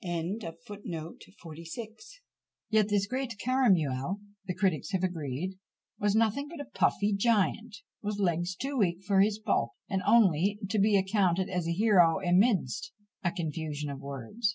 " Yet this great Caramuel, the critics have agreed, was nothing but a puffy giant, with legs too weak for his bulk, and only to be accounted as a hero amidst a "confusion of words."